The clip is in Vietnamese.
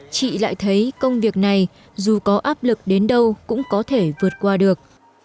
chị lại thấy công việc này dù có áp lực đến đâu cũng có thể vượt qua được